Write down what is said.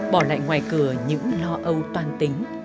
bỏ lại ngoài cửa những lo âu toan tính